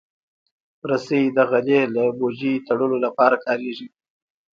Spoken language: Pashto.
رسۍ د غلې له بوجۍ تړلو لپاره کارېږي.